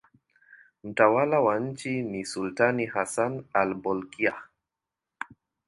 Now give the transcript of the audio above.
Mtawala wa nchi ni sultani Hassan al-Bolkiah.